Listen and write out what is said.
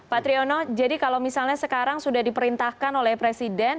pak triono jadi kalau misalnya sekarang sudah diperintahkan oleh presiden